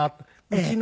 うちのね